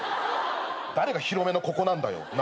誰が広めのここなんだよ。